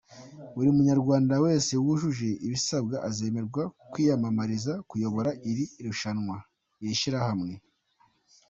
Buri Munyarwanda wese wujuje ibisabwa azemerwa kwiyamamariza kuyobora iri shyirahamwe.